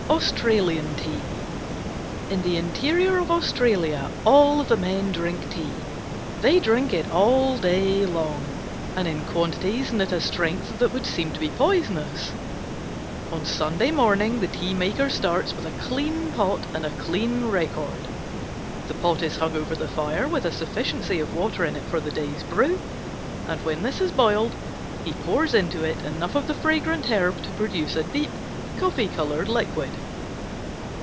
AUSTRALIAN TEA In the interior of Australia all the men drink tea. They drink it all day long, and in quantities and at a strength that would seem to be poisonous. On Sunday morning the tea maker starts with a clean pot and a clean record. The pot is hung over the fire with a sufficiency of water in it for the day's brew, and when this has boiled he pours into it enough of the fragrant herb to produce a deep, coffee colored liquid.